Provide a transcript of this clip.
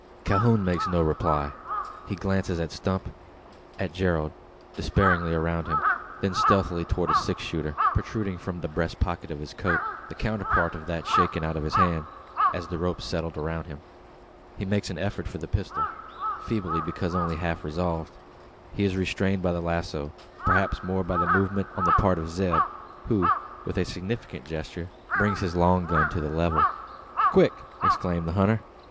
Calhoun makes no reply. He glances at Stump at Gerald despairingly around him; then stealthily towards a six shooter, protruding from the breast pocket of his coat the counterpart of that shaken out of his hand, as the rope settled around him. He makes an effort to reach the pistol feeble, because only half resolved. He is restrained by the lazo; perhaps more by a movement on the part of Zeb; who, with a significant gesture, brings his long gun to the level. "Quick!" exclaims the hunter.